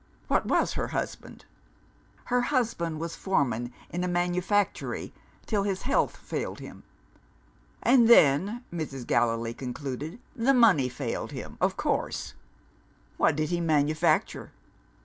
What was her husband?" "Her husband was foreman in a manufactory till his health failed him." "And then," Mrs. Gallilee concluded, "the money failed him, of course. What did he manufacture?"